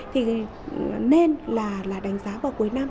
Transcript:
thì nên là đánh giá vào cuối năm